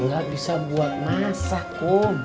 nggak bisa buat masak kum